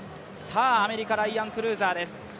アメリカ、ライアン・クルーザーです。